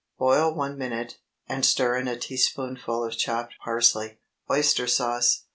Boil one minute, and stir in a teaspoonful of chopped parsley. OYSTER SAUCE.